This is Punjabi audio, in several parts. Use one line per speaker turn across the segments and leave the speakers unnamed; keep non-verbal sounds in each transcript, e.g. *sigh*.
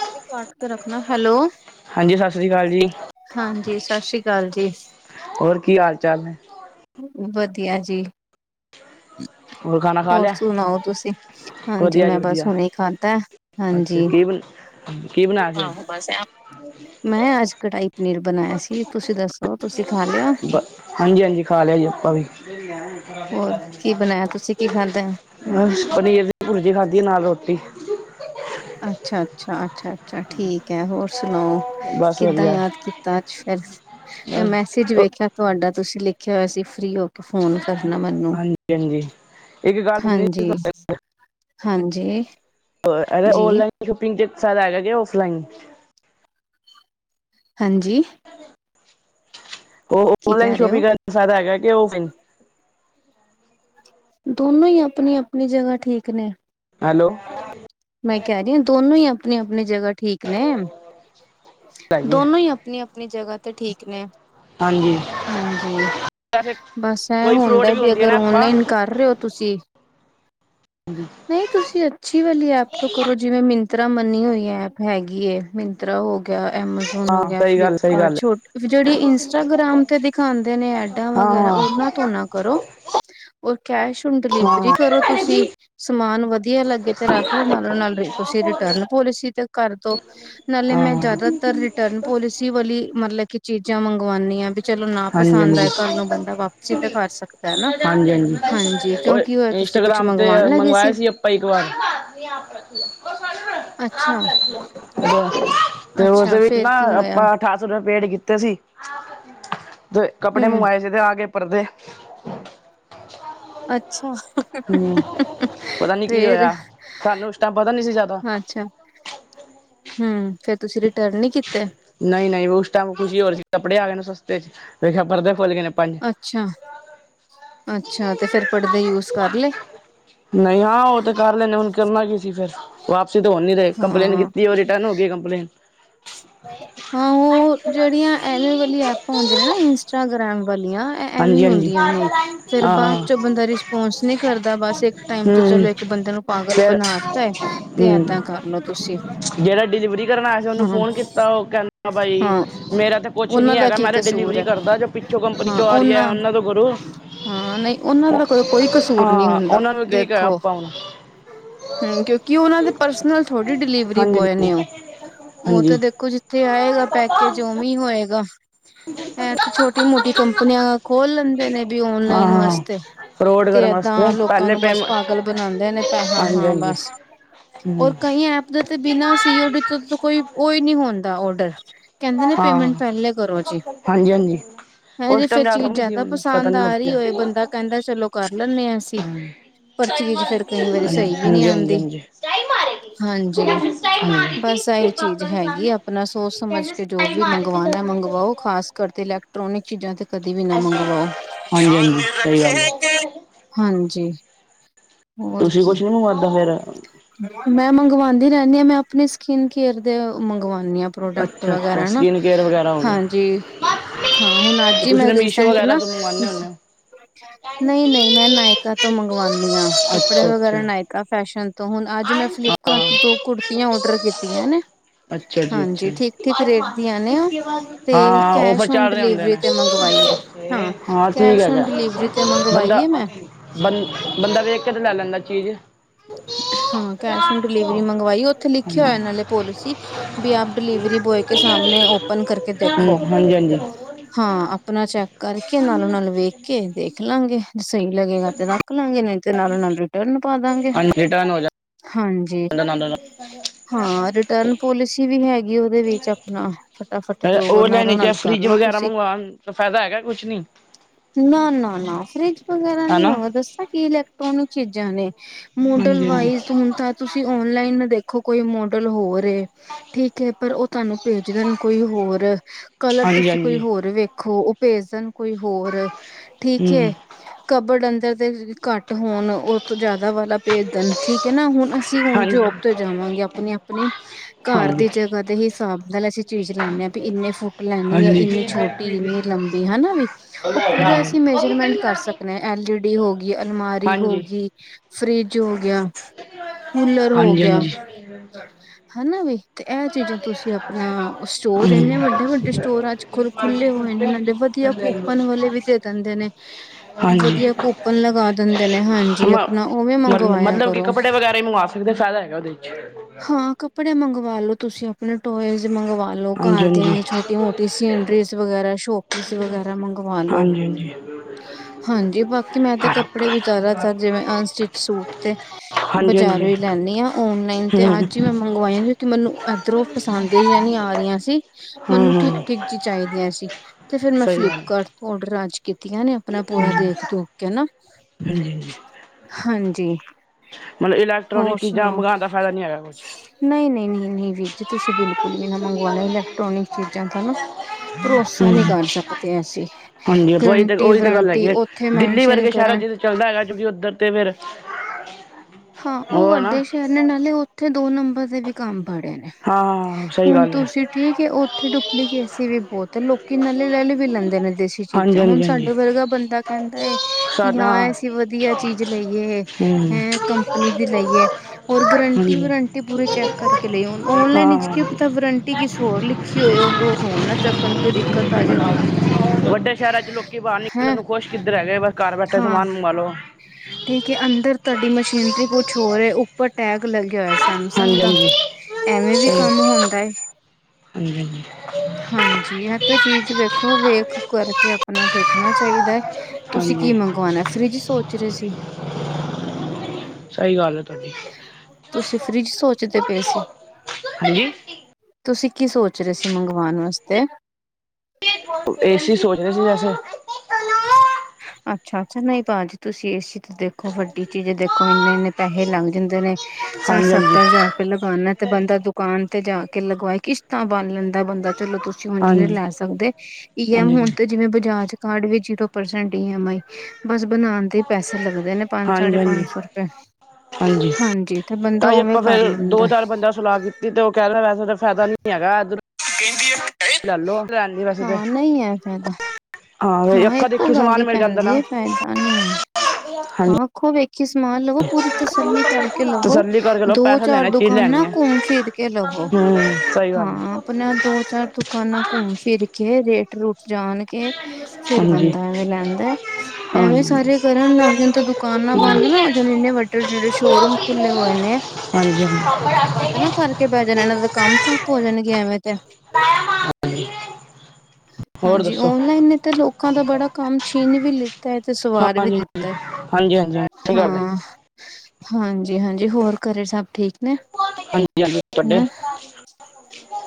ਕਟ ਕੇ ਰੱਖਣਾ। ਹੈਲੋ,
ਹਾਂਜੀ ਸਤਿ ਸ੍ਰੀ ਅਕਾਲ ਜੀ
ਹਾਂਜੀ। ਸਤਿ ਸ੍ਰੀ ਅਕਾਲ ਜੀ।
ਚੱਲੇ।
ਵਧੀਆ ਜੀ।
ਖਾਣਾ ਖਾ
ਹੋਰ
ਲਿਆ
ਸੁਣਾਓ ਤੁਸੀਂ, ਹਾਂਜੀ।
ਵਧੀਆ ਜੀ
ਮੈਂ ਬਸ
ਵਧੀਆ
ਹੁਣੇ ਖਾਧਾ।
ਅੱਛਾ
ਹਾਂਜੀ।
ਕੀ -ਕੀ ਬਣਾ ਸੀ ਅੱਜ।
ਆਹੋ ਬਸ ਮੈਂ ਅੱਜ ਕੜਾਈ ਪਨੀਰ ਬਣਾਇਆ ਸੀ। ਤੁਸੀਂ ਦੱਸੋ। ਤੁਸੀਂ ਖਾ ਲਿਆ
ਹਾਂਜੀ- ਹਾਂਜੀ ਖਾ ਲਿਆ ਜੀ, ਆਪਾਂ ਵੀ।
ਹੋਰ ਕੀ ਬਣਾਇਆ। ਤੁਸੀਂ ਕੀ ਖਾਂਦੇ ਹੋ।
ਪਨੀਰ ਦੀ ਭੁਰਜੀ ਖਾਧੀ ਨਾਲ ਰੋਟੀ।
ਅੱਛਾ ਅੱਛਾ ਅੱਛਾ ਅੱਛਾ ਠੀਕ ਹੈ ਹੋਰ। ਸੁਣਾਓ
ਬਸ
ਕਿੱਦਾਂ
ਵਧੀਆ
ਯਾਦ ਕੀਤਾ ਅੱਜ ਫਿਰ ਮੈਂ
ਬਸ
ਮੈਸੇਜ ਵੇਖਿਆ ਤੁਹਾਡਾ। ਤੁਸੀਂ ਲਿਖਿਆ ਹੋਇਆ ਸੀ ਫਰੀ ਹੋ। ਫੋਨ ਕਰਨਾ ਮੈਨੂੰ
ਹਾਂਜੀ ਹਾਂਜੀ ਇੱਕ ਗੱਲ ਪੁੱਛਣੀ ਸੀ
ਹਾਂਜੀ। ਹਾਂਜੀ।
ਤੁਹਾਨੂੰ,
ਜੀ
ਔਨਲਾਈਨ ਸ਼ਾਪਿੰਗ ਹੈਗਾ ਕੇ ਔਫਲਾਈਨ।
ਹਾਂਜੀ।
ਉਹ
ਕੀ
ਔਨਲਾਈਨ
ਕਹਿ ਰਹੇ ਹੋ
ਸ਼ੋਪਿੰਗ ਕਰਨਾ ਸਾਰਾ ਹੈਗਾ ਕਿ ਆਫਲਾਈਨ।
ਦੋਨੋ ਹੀ ਆਪਣੀ ਆਪਣੀ ਜਗ੍ਹਾ ਠੀਕ ਨੇ।
ਹੈਲੋ।
ਮੈਂ ਕਹਿ ਰਹੀ ਹਾਂ ਦੋਨੋ ਹੀ ਆਪਣੀ ਆਪਣੀ ਜਗ੍ਹਾ। ਠੀਕ ਨੇ
ਹੈਗੀ ਹੈ
ਦੋਨੋ ਹੀ ਆਪਣੀ ਆਪਣੀ ਜਗ੍ਹਾ ਤੇ ਠੀਕ ਨੇ।
ਹਾਂਜੀ
ਹਾਂਜੀ
ਵੈਸੇ
ਬਸ ਇਹ
ਕੋਈ ਫਰੋਡ
ਹੁੰਦਾ ਵੀ
ਹੁੰਦੀ ਹੈ
ਅਗਰ
ਨਾ ਆਪਾਂ
ਓਨਲਾਈਨ ਕਰ ਰਹੇ ਹੋ। ਤੁਸੀਂ ਨਹੀਂ ਤੁਸੀਂ ਅੱਛੀ ਵਾਲੀ ਐਪ ਤੋਂ ਕਰੋ ਜਿਵੇਂ ਮ ਮਿੰਤਰਾ ਮੰਨੀ ਹੋਈ ਐਪ ਹੈਗੀ ਏ ਮਿੰਤਰਾ ਹੋ। ਐਮਾਜੋਨ
ਹਾਂ
ਹੋ ਗਿਆ
ਸਹੀ ਗੱਲ ਸਹੀ
ਫਲਿਪਕਾਰਟ
ਗੱਲ
ਛੋ ਜਿਹੜੀ ਇੰਸਟਾਗ੍ਰਾਮ ਤੇ ਦਿਖਾਉਂਦੇ ਨੇ ਐਡਾਂ ਵਗ਼ੈਰਾ।
ਹਾਂ
ਵਗੈਰਾ
ਹਾਂ
ਉਹਨਾਂ ਤੋਂ ਨਾ ਕਰੋ। ਔਰ ਕੈਸ਼ ਓਨ
ਹਾਂ
ਡਿਲੀਵਰੀ ਕਰੋ ਤੁਸੀਂ ਸਮਾਨ ਵਧੀਆ ਲੱਗੇ ਤੇ ਰੱਖ। ਥੋੜਾ ਨਾਲੋਂ ਨਾਲ ਤੁਸੀਂ ਰਿਟਰਨ ਪੋਲਿਸੀ ਤੇ ਕਰਦੋ ਨਾਲੇ
ਹਾਂ
ਮੈਂ ਜਿਆਦਾਤਰ ਰਿਟਰਨ ਪੋਲ। ਕਿਸੇ ਵਾਲੀ ਮਤਲਬ ਕਿ ਚੀਜ਼ਾਂ ਮੰਗਵਾਉਂਣੀਆ। ਵੀ ਚਲੋ ਨਾ
ਹਾਂਜੀ
ਪਸੰਦ
ਹਾਂਜੀ
ਆਏ ਕੱਲ ਨੂੰ ਬੰਦਾ ਵਾਪਸੀ ਤਾਂ ਕਰ ਸਕਦਾ ਹੈ ਨਾ
ਹਾਂਜੀ ਹਾਂਜੀ
ਹਾਂਜੀ ਕਿਉਂਕਿ ਉਹ।
ਇੰਸਟਾਗ੍ਰਾਮ ਤੇ ਮੰਗਵਾਇਆ ਸੀ ਆਪਾਂ ਇੱਕ ਵਾਰ।
ਅੱਛਾ
ਤੇ
ਅੱਛਾ
ਉਸਦੇ ਵਿੱਚ
ਫੇਰ
ਨਾ
ਕੀ ਹੋਇਆ
ਆਪਾਂ ਅਠਾਰਾਂ ਸੌ ਰੁਪਏ ਪੇਡ ਕੀਤੇ ਸੀ। ਤੇ ਕੱਪੜੇ
ਹੂੰ
ਮੰਗਵਾਏ ਸੀ ਤੇ ਆ ਗਏ ਪਰਦੇ।
ਅੱਛਾ
ਹਮ ਪਤਾ ਨੀ ਕੀ
ਫੇਰ?
ਹੋਇਆ ਸਾਨੂੰ ਉਸ ਟਾਈਮ ਪਤਾ ਸੀ ਜਿਆਦਾ।
ਅੱਛਾ ਹੂੰ ਫੇਰ ਤੁਸੀਂ ਰਿਟਰਨ ਨੀ ਕੀਤੇ
ਨਹੀਂ ਨਹੀਂ ਉਸ ਟਾਈਮ ਖੁਸ਼ੀ ਹੋਰ ਰਹੀ ਸੀ ਕੱਪੜੇ ਆ ਗਏ ਨੇ ਸਸਤੇ ਵੇਖਿਆ ਪਰਦੇ। ਖੋੱਲ ਗਏ ਨੇ ਪੰਜ।
ਅੱਛਾ ਅੱਛਾ ਤੇ ਫੇਰ ਪਰਦੇ ਯੂਜ ਕਰ ਲਏ।
ਨਹੀਂ ਹਾਂ ਉਹ ਤੇ ਕਰ ਲਏ ਨੇ ਹੁਣ ਕਰਨਾ ਕੀ ਸੀ ਫੇਰ। ਵਾਪਸੀ ਤਾਂ ਹੋ ਨੀ ਰਹੇ ਕੰਪਲੇਂਨ
ਹਾਂ
ਕੀਤੀ ਉਹ ਰਿਟਰਨ ਹੋ ਗਈ ਕੰਪਲੇਂਨ।
ਹਾਂ ਉਹ ਜਿਹੜੀਆਂ ਐਵੇਂ ਵਾਲੀ ਐਪਾਂ ਹੁੰਦੇ ਨੇ ਨਾ ਇੰਸਟਾਗ੍ਰਾਮ। ਵਾਲੀਆਂ ਐਵੇਂ
ਹਾਂਜੀ ਹਾਂਜੀ
ਹੁੰਦੀਆਂ ਨੇ ਫੇਰ
ਹਾਂ
ਬਾਅਦ
ਹਾਂ
ਚੋਂ ਬੰਦਾ ਰਿਸਪੋਂਸ ਨਹੀਂ ਕਰਦਾ ਬਸ ਇੱਕ ਟਾਈਮ ਤੇ।
ਹਮ
ਚਲੋ ਇੱਕ ਬੰਦੇ ਨੂੰ ਪਾਗਲ
ਫਿਰ
ਬਣਾਤਾ ਹੈ ਤੇ ਏਦਾਂ
ਹਮ
ਕਰਲੋ ਤੁਸੀਂ।
ਜਿਹੜਾ ਡਿਲੀਵਰੀ ਕਰਨ ਆਇਆ ਸੀ ਉਹਨੂੰ
ਹਾਂ
ਫੋਨ ਕੀਤਾ ਉਹ। ਕਹਿੰਦਾ ਭਾਈ
ਹਾਂ
ਮੇਰਾ ਤਾਂ ਕੁਛ
ਉਹਨਾਂ
ਨੀ
ਦਾ
ਹੈਗਾ
ਕੀ
ਮੈਂ ਤਾਂ
ਕਸੂਰ
ਡਿਲੀਵਰੀ
ਹੈ
ਕਰਦਾ ਜੋ ਪਿੱਛੋਂ ਕੰਪਨੀ। ਚੋਂ ਉਹਨਾਂ ਤੋਂ ਗੁਰੂ
ਹਾਂ ਨਹੀਂ ਉਹਨਾਂ ਦਾ ਕੋ ਕੋਈ ਕਸੂਰ ਨਹੀਂ ਹੁੰਦਾ
ਉਹਨਾਂ ਨੂੰ ਕੀਕਿਹਾ
ਦੇਖੋ
ਆਪਾਂ ਹੁਣ।
ਹਮ ਕਿਉਂਕਿ ਉਹਨਾਂ ਦੇ ਪਰਸਨਲ ਥੋੜੀ ਡਿਲੀਵਰੀ
ਹਾਂਜੀ
ਬੋਏ ਨੇ ਉਹ।
ਹਾਂਜੀ
ਉਹ
ਹਾਂਜੀ
ਤੇ ਦੇਖੋ ਜਿੱਥੇ ਆਏਗਾ ਪੈਕੇਜ ਉਵੇਂ ਹੋਏਗਾ।
ਹਾਂ
ਇਹ ਤੇ ਛੋਟੀ ਮੋਟੀ ਕੰਪਨੀਆਂ ਖੋਲ ਲੈਂਦੇ ਨੇ ਵੀ
ਹਾਂ
ਓਨਲਾਈਨ
ਹਾਂ
ਵਾਸਤੇ।
ਫਰੋਡ
ਤੇ
ਕਰਨ
ਏਦਾਂ
ਵਾਸਤੇ
ਲੋਕਾਂ
ਪਹਿਲੇ
ਨੂੰ ਬਸ
ਪੇਮੈਂਟ
ਪਾਗਲ ਬਣਾਉਂਦੇ ਨੇ ਪੈਸਾ
ਹਾਂਜੀ
ਹਾਂ
ਹਾਂਜੀ
ਬਸ। ਹੋਰ
ਹਮ
ਕਈ ਐਪ ਦਾ ਤੇ ਬਿਨਾਂ ਸੀਓਡੀ ਤੋਂ ਕੋਈ ਉਹ ਹੀ ਨਹੀਂ ਹੁੰਦਾ ਓਡਰ। ਕਹਿੰਦੇ ਨੇ
ਹਾਂ
ਪੇਮੈਂਟ ਪਹਿਲੇ ਕਰੋ ਜੀ।
ਹਾਂਜੀ ਹਾਂਜੀ
ਹੈਂ ਜੇ
ਉਸ
ਫਿਰ
ਟਾਈਮ ਜਾ
ਚੀਜ਼
ਸਮਝ ਸੀ
ਜ਼ਿਆਦਾ
ਹੁਣ ਪਤਾ
ਪਸੰਦ
ਨੀ
ਆ ਰਹੀ
ਲੱਗਿਆ ਹਾਂ
ਹੋਏ ਬੰਦਾ ਕਹਿੰਦਾ ਚਲੋ ਕਰ। ਲੈਂਦੇ ਹਾਂ ਅਸੀਂ। ਪਰ ਚੀਜ਼ ਫੇਰ
ਹਾਂਜੀ
ਕਈ ਵਾਰੀ ਸਹੀ ਵੀ ਨਹੀਂ
ਹਾਂਜੀ
ਆਉਂਦੀ।
ਹਾਂਜੀ
ਹਾਂਜੀ ਬਸ ਆਹੀ ਚੀਜ਼ ਹੈਗੀ ਆ। ਆਪਣਾ ਸੋਚ ਸਮਝ ਕੇ ਜੋ ਵੀ ਮੰਗਵਾਉਣਾ ਮੰਗਵਾਓ ਖਾਸ ਕਰਕੇ ਤੇ ਇਲੈਕਟ੍ਰੋਨਿਕ ਚੀਜ਼ਾਂ ਤੇ। ਕਦੇ ਵੀ ਨਾ ਮੰਗਵਾਓ
ਹਾਂਜੀ ਹਾਂਜੀ ਸਹੀ ਗੱਲ ਹੈ
ਹਾਂਜੀ। ਹੋਰ
ਤੁਸੀਂ
ਕੀ
ਕੁਛ ਨੀ ਮੰਗਵਾਉਂਦਾ ਫੇਰ
ਮੈਂ ਮੰਗਵਾਉਂਦੀ ਰਹਿਦੀ ਮੈਂ ਆਪਣੇ ਸਕਿਨ ਕੇਅਰ ਦੇ ਮੰਗਵਾਉਂਦੀ ਪ੍ਰੋਡਕਟ
ਅੱਛਾ ਅੱਛਾ
ਵਗੈਰਾ ਨਾ
ਸਕਿਨ ਕੇਅਰ ਵਗੈਰਾ ਹੋ ਗਿਆ
ਹਾਂਜੀ ਹਾਂ ਹੁਣ ਅੱਜ ਹੀ ਮੈਂ ਰੀਸੈਂਟ ਨਾ
ਤੁਨੂੰ ਮੰਨਨੇ ਹੁੰਨੇ ਆ
ਨਹੀਂ ਨਹੀਂ ਮੈਂ ਨਾਇਕਾ ਤੋਂ ਮੰਗਵਾਉਦੀ ਹਾਂ ਕੱਪੜੇ
ਅੱਛਾ ਅੱਛਾ
ਵਗੈਰਾ ਨਾਇਕਾ ਫੈਸ਼ਨ ਹੁਣ ਅੱਜ
ਹਾਂ
ਮੈਂ ਫਲਿਪਕਾਰਟ ਤੋਂ ਦੋ ਕੁੜਤੀਆਂ ਔਡਰ ਕੀਤੀਆਂ ਨੇ
ਅੱਛਾ ਜੀ ਅੱਛਾ
ਹਾਂਜੀ
ਜੀ
ਠੀਕ ਠੀਕ ਰੇਟ ਦੀਆਂ ਨੇ ਉਹ ਤੇ
ਹਾਂ ਉਹ ਫਿਰ
ਕੈਸ਼ ਔਨ
ਚੜ ਰਹੇ ਹੁੰਦੇ
ਡਿਲੀਵਰੀ
ਨੇ
ਤੇ ਮੰਗਵਾਈ ਹੈ
ਹਾਂ ਠੀਕ
ਕੈਸ਼ ਔਨ
ਹੈਗਾ
ਡਿਲੀਵਰੀ ਤੇ
ਬੰਦਾ
ਮੰਗਵਾਈ ਹੈ ਮੈਂ
ਬੰ ਬੰਦਾ ਵੇਖ ਕੇ ਤੇ ਲੈ ਲੈਂਦਾ ਦਾ ਚੀਜ਼
ਹਾਂ ਕੈਸ਼ ਨ ਡਿਲੀਵਰੀ ਮੰਗਵਾਈ ਉੱਥੇ
ਹਾਂਜੀ
ਲਿਖਿਆ ਹੋਇਆ ਇਹਨਾਂ ਨੇ ਪੋਲ ਵੀ ਆਪ ਡਿਲੀਵਰੀ ਬੋਏ ਕੇ ਸਾਮਨੇ
ਹਮ,
*unintelligible*
ਹਾਂਜੀ ਹਾਂਜੀ
ਹਾਂ ਆਪਣਾ ਚੈੱਕ ਕਰਕੇ ਨਾਲੋਂ ਨਾਲ ਵੇਖ ਕੇ ਦੇਖ ਲਾਂਗੇ ਸਹੀ ਲੱਗੇਗਾ ਤੇ ਰੱਖ ਲਾਂਗੇ ਨਹੀਂ ਤੇ ਨਾਲੋਂ ਨਾਲ ਰਿਟਰਨ ਪਾ ਦਾਂਗੇ
ਹਾਂਜੀ ਰਿਟਰਨ ਹੋ
ਹਾਂਜੀ
ਜਾਂਦਾ ਨਾਲ ਨਾਲ
ਹਾਂ ਰਿਟਰਨ ਪੋਲਿਸੀ ਵੀ ਹੈਗੀ ਉਹਦੇ ਵਿੱਚ ਆਪਣਾ ਫਟਾਫਟ ਜੋ ਉਹ
ਔਨਲਾਈਨ
ਨਾਲੋਂ
ਵਿੱਚ
ਨਾਲ
ਫਰਿੱਜ
ਕਰਲੋ
ਵਗੈਰਾ
ਤੁਸੀਂ
ਮੰਗਵਾਉਣ ਦਾ ਫਾਇਦਾ ਹੈਗਾ ਕੁਛ ਨਹੀਂ
ਨਾ ਨਾ ਨਾ ਫਰਿਜ ਵਗੈਰਾ ਨਹੀਂੀ
ਹਨਾ
ਹੋਗਾ ਦੱਸਾਂ ਕਿ ਇਲੈਕਟ੍ਰੋਨਿਕ ਚੀਜ਼ਾਂ ਨੇ ਮੋਡਲ
ਹਾਂਜੀ ਹਾਂਜੀ
ਵਾਈਜ਼ ਹੁਣ ਤਾਂ ਤੁਸੀਂ ਓਨਲਾਈਨ ਦੇਖੋ ਕੋਈ ਮੋਡਲ ਹੋਰ ਠੀਕ ਹੈਏ ਪਰ ਉਹ ਤੁਹਾਨੂੰ ਭੇਜ ਦੇਣ ਕੋਈ ਹੋਰ ਕਲਰ
ਹਾਂਜੀ
ਤੁਸੀਂ ਕੋਈ ਹੋਰ ਵੇਖੋ ਉਹ ਭੇਜ ਦੇਣ ਕੋਈ ਹੋਰ ਠੀਕ ਏ
ਹਾਂਜੀ
ਕਬਡ ਅ ੱਧਰ ਤੇ ਘੱਟ ਹੋਣ ਉਹ ਤੋਂ ਜ਼ਿਆਦਾ ਵਾਲਾ ਭੇਦਨ ਠੀਕ ਹੈ ਨਾ ਹੁਣ ਅਸੀਂ ਹੁਣ
ਹਮ
ਜੋਬ ਤੋਂ ਜਾਵਾਂਗੇ ਆਪਣੇ ਆਪਣੇ ਘਰ
ਹਾਂਜੀ ਹਾਂਜੀ
ਦੀ ਜਗ੍ਹਾ ਤੇ ਹੀ ਹਿਸਾਬ ਨਾਲ ਅਸੀਂ ਚੀਜ਼ ਲੈਦੇ ਹਾਂ ਵੀ ਇੰਨੇ ਫੁੱਟ ਲੈਣੀ ਹੈ ਇੰਨੀ
ਹਾਂਜੀ ਹਾਂਜੀ
ਛੋਟੀ ਇੰਨੀ ਲੰਬੀ ਹਨਾ ਵੀ ਉਹ ਪੂਰਾ ਅਸੀਂ ਮੇਜਰਮੈਂਟ ਕਰ ਸਕਦੇ ਹ ਐਲਈ ਡੀ ਹੋ ਗਈ ਅਲਮਾਰੀ ਹੋ ਗ ਫਰਿਜ ਹੋ ਗਿਆ ਕੂਲਰ ਹੋ ਗਿਆ
ਹਾਂਜੀ ਹਾਂਜੀ
ਹਨਾ ਵੀ ਤੇ ਇਹ ਚੀਜ਼ਾਂ ਤੁਸੀਂ ਆਪਣਾ ਸਟੋਰ ਇੰਨੇ ਵੱਡੇ ਵੱਡੇ ਸਟੋਰ ਅੱਜ ਕੋਲ ਖੁੱਲੇ ਹੋਏ ਨੇ ਨਾਲੇ ਵਧੀਆ
ਹਾਂਜੀ ਹਮ।
ਕੂਪਨ ਵਾਲੇ ਵੀ ਦੇ ਦਿੰਦੇ ਨੇ
ਹਾਂਜੀ
ਵਧੀਆ ਕੂਪਨ ਲਗਾ ਦਿੰਦੇ ਨੇ ਹਾਂਜੀ
ਮ
ਆਪਣਾ ਉਹਵੇ ਮੰਗ
ਮਤਲ ਮਤਲਬ ਕਿ ਕੱਪੜੇ ਵਗੈਰਾ ਹੀ ਮੰਗਵਾ ਸਕਦੇ ਫਾਇਦਾ ਹੈਗਾ ਉਹਦੇ ਵਿੱਚ
ਹਾਂ ਕੱਪੜੇ ਮੰਗਵਾ ਲੋੋ ਤੁਸੀਂ ਆਪਣੇ ਟੋਏਜ਼ ਮੰਗਵਾ ਓਹ
ਹਾਂਜੀ
ਘਰ
ਹਾਂਜੀ
ਦੀਆਂ ਛੋਟੀ ਮੋਟੀ ਸੀਨਰੀਜ਼ ਵਗੈਰਾ ਸ਼ੋਪੀਸ ਵਗੈਰਾ ਮੰਗਵਾ ਲੋ
*unintelligible*
*unintelligible* ਹਾਂਜੀ ਬਾਕੀ ਮੈਂ ਤਾਂ ਕੱਪੜੇ
ਹਾਂਜੀ
ਬਜ਼ਾਰਾ ਤਾਂ ਜਿਵੇਂ ਅਨਸਟਿਚ ਸੂਟ ਤੇ
ਹਾਂਜੀ ਹਾਂਜੀ
ਬਾਜ਼ਾਰੋਂ ਹੀ ਲੈਣਾ ਔਨਲਾਈਨ ਤੇ
ਹੂੰ
ਅੱਜ ਹੀ ਮੈਂ ਮੰਗਵਾਈਆ ਜੋ ਕਿ ਮੈਨੂੰ ਇਧਰੋਂ ਪਸੰਦ ਨੀ ਆ ਰਹੀਆਂ ਸੀ
ਹੂੰ
ਮੈਨੂੰ ਠੀਕ
ਹੂੰ
ਠੀਕ ਜੀ ਚਾਹੀਦੀਆਂ ਸੀ ਤੇ ਫੇਿਰ ਮੈਂ
ਸਹੀ ਗੱਲ
ਫਲਿੱਪ
ਹੈ
ਘਰ *unintelligible* ਆਂ ਨੇ ਆਪਣਾ ਪੂਰਾ ਦੇਖ ਦੂਖ ਕੇ ਹਨਾ
ਹਾਂਜੀ ਹਾਂਜੀ
ਹਾਂਜੀ
ਮਤਲਬ
ਹੋਰ
ਇਲੈਕਟਰੋਨਿਕ ਚੀਜ਼ਾਂ
ਸੁਣਾਓ
ਮੰਗਾਉਣ ਦਾ ਫਾਇਦਾ ਨਹੀਂ ਹੈਗਾ ਕੁਛ
ਨਹੀਂ ਨਹੀਂ ਨਹੀਂ ਨਹੀਂ ਵੀਰ ਜੀ ਤੁਸੀਂ ਬਿਲਕੁਲ ਲ ਵੀ ਨਾ ਮੰਗਵਾਉਣਾ ਇਲੈਕਟ੍ਰੋਨਿਕ ਚੀਜ਼ਾਂ ਦਾ ਨਾ ਭਰੋਸਾ ਨਹੀਂੀ ਕਰ ਸਕਦੇ ਅਸੀਂ
ਹ ਆਪਹੀ ਤਾਂ
ਗਰੰਟੀ
ਉਹੀ ਤਾਂ ਗੱਲ ਹੈਗੀ
ਵਰੰਟੀ
ਹੈ
ਉੱਥੇ
ਦਿੱਲੀ
ਮੈਨਸ਼ਨ
ਵਰਗੇ ਸ਼ਹਿਰਾਂ
ਕਰਨ
ਚ ਚੱਲਦਾ ਹੈਗਾ ਕਿਉਂਕਿ ਉੱਧਰ ਤਾਂ ਫਿਰ
ਹਾਂ ਉਹ
ਹੈ ਨਾ
ਵੱਡੇ ਸ਼ਹਿਰ ਨਾਲੇ ਉੱਥੇ ਦੋ ਨੰਬਰ ਦੇ ਵੀ ਕੰਮ ਬੜੇ ਨੇ
ਹਾਂ ਸਹੀ
ਹੁਣ
ਗੱਲ ਹੈ
ਤੁਸੀਂ ਠੀਕ ਉੱਥੇ ਡੁਪਲੀਕੇਸੀ ਵੀ ਬਹੁਤ ਹੈ ਲੋਕ ਕਿ ਨਲੇ ਲਲੇ ਵੀ ਲੈਂਦੇ ਨੇ ਦੇਸੀ
ਹਾਂਜੀ
ਚੀਜ਼ਾਂ ਹੁਣ
ਹਾਂਜੀ ਹਾਂਜੀ
ਸਾਡੇ ਵਰਗਾ ਬੰਦਾ ਕਹਿੰਦਾ ਏ ਕਿ
ਸਾਡਾ
ਹਾਂ ਅਸੀਂ ਵ ਵਧੀਆ ਚੀਜ਼ ਲਈਏ
ਹੂੰ
ਹੈਂ ਕੰਪਨੀ ਦੀ ਲਈਏ ਔਰ ਗਰੰਟੀ
ਹਾਂਜੀ
ਵਰੰਟੀ ਪੂਰੀ ਚੈੱਕ ਕਰ ਲਈ
ਹਾਂ
ਔਨਲਾਈਨ ਕੀ ਪਤਾ ਵਾਰੰਟੀ ਕਿਸੇ ਹੋਰ ਲਿਖੀ ਹੋਏ ਉਹ ਫੋਨ ਨਾ ਚੱਕਣ ਕੋਈ ਦਿੱਕਤ ਆ ਜਾੇ ਤੇ
ਵੱਡੇ ਸ਼ਹਿਰਾਂ ਚ ਲੋਕੀ ਬਾਹਰ ਨਿਕਲਣ
ਹੈਂ
ਨੂੰ ਖੁਸ਼ ਕਿੱਧਰ ਹੈਗੇ ਬਸ ਘਰ ਬੈਠੇ
ਹਾਂ
ਸਮਾਨ ਮੰਵਾਾਲੋ
ਠੀਕ ਏ ਅੰਦਰ ਤੁਹਾਡੀ ਮਸ਼ੀਨਰੀ ਕੁਛ ਹੋ ਰੇ ਉੱਪਰ ਅੱ ਲੱਗਿਆ *unintelligible* ਸੈਮਸੰਗ
ਹਾਂਜੀ
ਦਾ
ਹਾਂਜੀ
ਐਵੇਂ ਵੀ
ਸਹੀ
ਕੰਮ ਹੁੰਦਾ ਏ ਹਾਂਜੀ, ਇਹ ਤਾਂ ਚੀਜ਼ ਵੇਖੋ ਵੇਖ ਕਰਕੇ ਅਪਨਾ ਦੇਖ ਦੇਖਨਾ ਚਾਹੀਦਾ ਏ
ਹਾਂਜੀ ਹਾਂਜੀ
ਤੁਸੀਂ ਕੀ
ਹਾਂਜੀ
ਮੰਗਵਾਨੇ ਫਰਿਜ ਸੋਚ ਰਹੇ ਸੀ?
ਸਹੀ ਗੱਲ ਹੈ ਤੁਹਾਡੀ
ਤੁਸੀਂ ਫਰਿਜ ਸੋਚਦੇ ਪੇ ਸੀ
ਹਾਂਜੀ
ਤੁਸੀਂ ਕੀ ਸੋਚ ਰਹੇ ਸੀ ਮੰਗਵਾਣ ਵਾਸਤੇ
ਏਸੀ ਸੋਚਦੇ ਸੀ ਵੈਸੇ
ਅੱਛਾ ਅੱਛਾ ਨਹੀਂ ਭਾਜੀ ਤੁਸੀਂ ਏਸੀ ਦੇਖੋ ਵੱਡੀ ਚੀਜ਼ ਦੇਖੋ ਇੰਨੇ ਇੰਨੇ ਪੈਹੇ ਲੱਗ ਜਾਂਦੇ ਨੇ ਸੱਠ
ਹਾਂਜੀ ਹਾਂਜੀ
ਸੱਤਰ ਹਜ਼ਾਰ ਰੁਪਏ ਲਗਾਨਾ ਤੇ ਬੰਦਾ ਦੁਕਾਨ ਤੇ ਜਾ ਕੇ ਲਗਵਾਏ ਕਿਸ਼ਤਾਂ ਬਨ ਲੈਂਦਾ ਬੰਦਾ ਚਲੋ ਤੁਸੀਂ ਹੁ ਜ
ਹਾਂਜੀ ਹਾਂਜੀ
ਲੈ ਸਕਦੇ ਈ ਐਮ ਹੁਣ
ਹਾਂਜੀ
ਤੇ ਜਿਵੇਂ ਬਜਾਜ ਕਾਰਡ ਵੀ zero percent E M I ਬਸ ਬਨਾਣ ਦੇ ਪੈਸੇ ਲੱਗਦੇ ਨੇ ਪੰਜ ਸਾਢੇ
ਹਾਂਜੀ
ਪੰਜ ਸੌ ਰੁਪਏ
ਹਾਂਜੀ,
ਤੇ ਬੰਦਾ
ਤਾਂ ਜੇ
ਉਵੇਂ
ਆਪਾਂ
ਕਰ
ਫੇਰ
ਲੈਂਦਾ।
ਦੋ ਚਾਰ ਬੰਦਾ ਸਲਾਹ ਕੀਤੀ ਤੇ ਉਹ ਕਹਿ ਰਿਹੇ ਵੈਸੇ ਤੇ ਫਾਇਦਾ ਨੀ ਹੈਗਾ ਇਧਰ ਲੈ ਲੋ ਲੈਣੀ ਵੈਸੇ ਤੇ
ਹਾਂ ਨਹੀਂ ਹੈ ਫਾਇਦਾ
ਵੀ
ਹਾਂ
ਅੱਖਾਂ
ਇੱਕੋ
ਦੇਖੀ
ਗੱਲ ਈ
ਸਮਾਨ ਮਿਲ ਜਾਂਦਾ
ਪੈਂਦੀ
ਨਾ
ਏ ਫਾਇਦਾ ਨੀ ਹੈ,
ਹਾਂਜੀ
ਹਾਂ ਆਖੋ ਕਿ ਸਮਾਨ ਲਵੋ ਪੂਰੀ ਤਸੱਲੀ ਕਰਕੇ ਕੇ ਲਵੋ
ਤਸੱਲੀ ਕਰਕੇ ਲਓ
ਦੋ
ਪੈਸਾ
ਚਾਰ
ਲੈਣਾ ਚੀਜ਼ ਲੈਣੀ
ਦੁਕਾਨਾਂ
ਹੈ
ਘੁੰਮ ਫਿਰ ਕੇ ਲਵੋ
ਹਮ ਸਹੀ ਗੱਲ ਹੈ
ਹਾਂ, ਅਪਨਾ ਦੋ ਚਾਰ ਦੁਕਾਨਾਂ ਘੁੰਮ ਫਿਰ ਕੇ ਰੇਟ ਰੂਟ ਜਾਨ ਕੇ ਹ ਫਿਰ
ਹਾਂਜੀ
ਬੰਦਾ ਐਵੇਂ ਲੈਂਦਾ ਐਵੇਂ
ਹਾਂਜੀ
ਸਾਰੇ ਕਰਨ ਲੱਗ ਜਾਂਦੇ ਤਾਂ ਦੁਕਾਨਾਂ ਬੰਦ ਨਾ ਉਹ ਜਾ ਇੰਨੇ ਵੱਡੇ ਡੇ ਡੇ ਸ਼ੋਰੂਮ ਖੁੱਲੇ ਹੋਏ ਨੇ
ਹਾਂਜੀ
ਲੋਕੀ ਬੰਦ ਨਾ ਕਰਕੇ ਬੈ ਜਾਨ ਇਹਨਾਂ ਦਾ ਕੰਮ ਠੱਪ ਭੋਜਣ ਗਿਆ ਐਵੇਂ ਤੇ
*unintelligible* ਹੋਰ
ਹਾਂਜੀ,
ਦੱਸੋ
ਓਨਲਾਈਨ ਨੇ ਤਾਂ ਲੋਕਾਂ ਦਾ ਬੜਾ ਕੰਮ ਛੀਨ ਵੀ ਲੀ ਤਾਂ ਹੀ ਤੇ ਸਵਾਰ ਵੀ
ਹਾਂਜੀ
ਦਿੱਤਾ ਏ,
ਹਾਂਜੀ ਹਾਂਜੀ ਸਹੀ ਗੱਲ ਹੈ
ਹਾਂ। ਹਾਂਜੀ ਹਾਂਜੀ, ਹੋਰ ਘਰੇ ਸਭ ਠੀਕ ਨੇ
ਹਾਂਜੀ ਹਾਂਜੀ ਤੁਹਾਡੇ
ਹਮ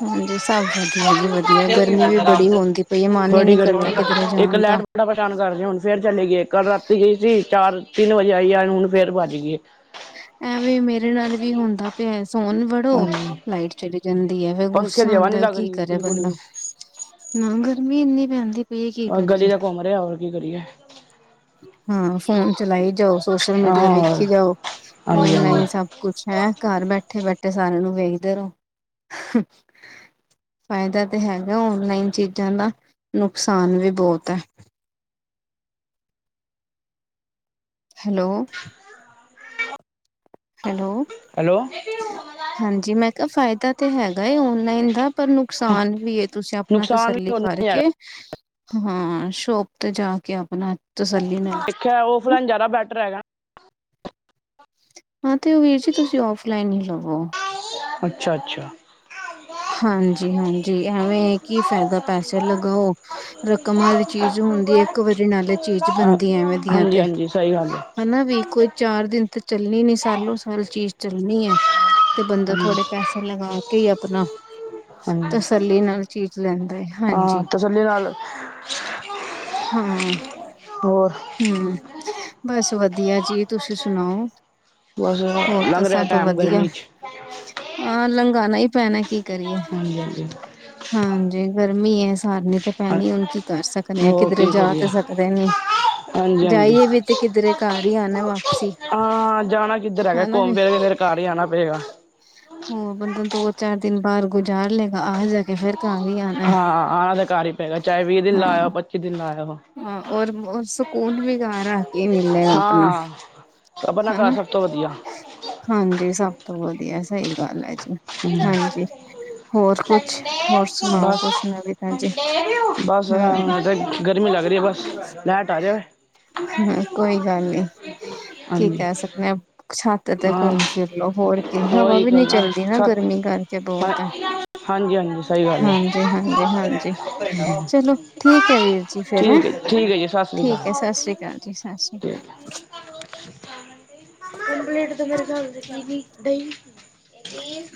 ਹਾਂਜੀ, ਸਭ ਵਧੀਆ ਜੀ, ਵਧੀਆ ਗਰਮੀ ਵੀ ਬੜੀ
ਆਦਤ,
ਹੁੰਦੀ ਪਈ ਹੈ ਮਨ ਹੀ
ਬੜੀ
ਨੀ
ਗਰਮੀ
ਕਰਦਾ ਕਿਧਰੇ
ਇੱਕ
ਜਾਣ ਦਾ
ਲਾਈਟ ਬੜਾ ਪਰੇਛਾਨ ਕਰਦੀ ਹੁਣ ਫੇਰ ਚਲੀ ਗਈ ਏ ਕੱਲ ਰਾਤੀ ਗਈ ਸੀ। ਤਿੰਨ ਚਾਰ ਤਿੰਨ ਵਜੇ ਆਈ ਆ ਹੁਣ ਫੇਰ ਭੱਜ ਗਈਏ
ਤੇ ਹੈ ਸੋਨ ਵੜੋ, ਲਾਈਟ ਚਲੀ ਜਾਂਦੀ ਫਿਰ
ਪੰਖੇ
ਗੁੱਸਾ
ਦੀ ਹਵਾ ਨੀ
ਆਂਦਾ
ਲੱਗ
ਕੀ
ਰਹੀ
ਕਰੇ
ਬਿਲਕੁਲ
ਬੰਦਾ,
ਵੀ
ਨਾ ਗਰਮੀ ਏਨੀ ਪੈਂਦੀ ਪਈ ਕੀ
ਆ, ਗਲੀ
ਕਰੀਏ
ਚ ਘੁੰਮ ਰਿਹਾ ਹੋਰ ਕੀ ਕਰੀਏ
ਹਾਂ, ਫੋਨ ਚਲਾਈ ਜਾਓ ਸੋਸ਼ਲ ਮੀਡੀਆ
ਹਾਂ
ਵੇਖੀ ਜਾੳ।
ਹਾਂਜੀ ਹਾਂਜੀ
ਔਨਲਾਈਨ ਸਭ ਕੁੱਛ ਹੈ, ਘਰ ਬੈਠੇ ਇਥੇ ਬੈਠੇ ਸਾਰਿਆਂ ਨੂੰ ਵੇਖਦੇ ਰਹੋ। ਫਾਇਦਾ ਤੇ ਹੈਗਾ ਔਨਲਾਈਨ ਚੀਜ਼ਾਂ ਦਾ, ਨੁਕਸਾਨ ਵੀ ਬਹੁਤ ਹੈ। ਹੈਲੋ ਹੈਲੋ
ਹੈਲੋ
ਹਾਂਜੀ, ਮੈਂ ਕਿਹਾ ਫਾਇਦਾ ਤੇ ਹੈਗਾ ਔਨਲਾਈਨ ਦਾ ਪਰ ਨੁਕਸਾਨ ਵੀ ਏ ਤੁਸੀਂ ਅਪਨਾ
ਨੁਕਸਾਨ
ਤਸੱਲੀ
ਵੀ ਉਨਾ ਹੀ
ਕਰਕੇ,
ਹੈਗਾ
ਹਾਂ ਸ਼ੋਪ ਤੇ ਜਾ ਕੇ ਆਪਨਾ
ਦੇਖਿਆਂ ਔਫਲਾਇਨ ਜ਼ਿਆਦਾ ਬੈਟਰ ਹੈਗਾ।
ਹਾਂ ਤੇ ਉਹ ਵੀਰ ਜੀ ਤੁਸੀਂ ਔਫਲਾਈਨ ਹੀ ਲਵੋ
ਅੱਛਾ ਅੱਛਾ
ਹਾਂਜੀ-ਹਾਂਜੀ, ਐਵੇਂ ਕੀ ਫਾਇਦਾ ਪੈਸੇ ਲਗਾਓ ਰਕਮਾਂ ਦੀ ਚੀਜ਼ ਹੁਨ ਦੀ ਏ ਇੱਕ ਵਾਰੀ ਨਾਲੇ ਚੀਜ਼
ਹਾਂ
ਬਨਦੀ ਹੈ ਐਵੇਂ ਦੀਆਂ
ਹਾਂਜੀ
ਤੇ,
ਹਾਂਜੀ ਸਹੀ ਗੱਲ ਹੈ।
ਹੇਨਾ ਵੀ ਕੋਈ ਚਾਰ ਦਿਨ ਤੇ ਚੱਲ ਚੱਲਣੀ ਨੀ ਸਾਲੋ ਸਾਲ ਚੀਜ਼ ਚੱਲਣੀ ਏ, ਤੇ ਬੰਦਾ
ਹਾਂਜੀ
ਥੋੜੇ ਪੈਸੇ ਲਗਾ ਕੇ ਹੀ ਅਪਨਾ,
ਹਾਂਜੀ
ਤਸੱਲੀ ਨਾਲ ਚੀਜ਼ ਲੈਂਦਾ ਏ
ਹਾਂ,
ਹਾਂਜੀ
ਤਸੱਲੀ ਨਾਲ
ਹਾਂ,
ਹੋਰ
ਹਮ, ਬਸ ਵਧੀਆ ਜੀ। ਤੁਸੀ ਸੁਣਾਓ,
ਬਸ
ਹੋਰ ਤਾਂ
ਲੰਘ ਰਿਹਾ
ਸਭ
ਟਾਈਮ
ਵਧੀਆ,
ਗਰਮੀ ਚ
ਹਾਂ ਲੰਗ ਕਰਾਣਾ ਹੀ ਪੈਣਾ ਕੀ ਕਰੀਏ,
ਹਾਂਜੀ ਹਾਂਜੀ
ਹਾਂਜੀ, ਗਰਮੀ ਹੈ। ਸਾਰਨੀ ਤੇ
ਹਾਂ
ਪੈਣੀ, ਹੁਣ ਕੀ ਕਰ ਸਕਦੇ ਆ,
ਹੋਰ ਕੀ
ਕਿਧਰੇ ਜਾ
ਕਰੀਏ
ਤਾਂ ਸਕਦੇ ਨੀ,
ਹਾਂਜੀ ਹਾਂਜੀ
ਜਾਈਏ ਵੀ ਤੇ ਕਿਧਰੇ ਘਰ ਹੀ ਆਉਣਾ ਵਾਪਸੀ
ਹਾਂ ਜਾਣਾ ਕਿੱਧਰ ਹੈਗਾ
ਹਨਾ
ਘੁੰਮ
ਵੀ
ਫਿਰ ਕੇ ਫਿਰ ਘਰ ਹੀ ਆਣਾ ਪਏਗਾ
ਹੋਰ ਬੰਦਾ ਦੋ ਚਾਰ ਦਿਨ ਬਾਹਰ ਗੁਜ਼ਾਰ ਲਏਗਾ ਆ ਜਾ ਕੇ ਫਿਰ
ਹਾਂ, ਆਣਾ ਤਾਂ ਘਰ ਹੀ ਪਵੇਗਾ ਚਾਹੇ ਵੀਹ ਦਿਨ ਲਾਇਆ ਹੋ,
ਹਾਂ
ਪੱਚੀ ਦਿਨ ਲਾਇਆ ਹੋ।
ਹਾਂ, ਔਰ-ਔਰ ਸਕੂਨ ਵੀ ਗਾ ਰਿਹਾ ਕੀ ਮਿਲੇਗਾ ਆਪਣਾ,
ਹਾਂ ਆਪਣਾ ਘਰ
ਹੰਨਾ,
ਸਭ ਤੋਂ ਵਧੀਆ
ਹਾਂਜੀ ਸਭ ਤੋਂ ਵੱਧ ਇਹ ਸਹੀ ਗੱਲ ਹੈ। ਹਾਂਜੀ, ਹੋਰ ਕੁਛ, ਹੋਰ ਸੁਣਾਓ
ਬਸ
ਕੁਛ ਨਵੀ ਤਾਜੀ
ਬਸ ਯਾਰ
ਹਮ
ਹੁਣ ਤੇ ਗਰਮੀ ਲੱਗ ਰਹੀ ਹੈ, ਬਸ ਲੈਟ ਆ ਜਾਵੇ
ਹਾਂ ਕੋਈ ਗੱਲ ਨੀ ਕੀ
ਹਾਂਜੀ
ਕਹਿ ਸਕਦੇ ਆ ਛੱਤ ਤੇ
ਹਾਂ,
ਘੁੰਮ ਫਿਰ ਲੋ ਹੋਰ ਕੀ ਹਵਾ
ਉਹੀ
ਵੀ
ਗੱਲ
ਨੀ
ਨਾ,
ਚਲਦੀ
ਸੱਚ,
ਗਰਮੀ ਕਰਕੇ ਬਹੁਤ ਹੈ
ਹਾਂਜੀ ਹਾਂਜੀ। ਸਹੀ ਗੱਲ ਹੈ,
ਹਾਂਜੀ ਹਾਂਜੀ ਹਾਂਜੀ ਚਲੋ ਠੀਕ ਹੈ ਵੀਰ ਜੀ
ਠੀਕ ਹੈ, ਠੀਕ ਹੈ ਜੀ ਸਤਿ ਸ੍ਰੀ ਅਕਾਲ
ਭੈਣਜੀ ਸਤਿ ਸ੍ਰੀ
ਠੀਕ ਹੈ
ਆਕਾਲ
ਪਲੇਟ ਤਾਂ ਮੇਰੇ ਹਿਸਾਬ ਨਾਲ ਦੀ ਦਹੀਂ